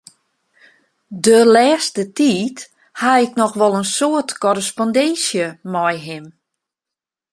De lêste tiid haw ik noch wol in soad korrespondinsje mei him.